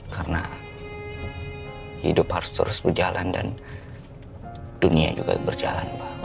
karena hidup harus terus berjalan dan dunia juga berjalan pak